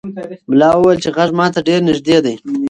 ملا وویل چې غږ ماته ډېر نږدې دی.